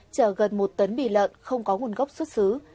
chở gần một tấn bì lợn không có nguồn gốc xuất xứ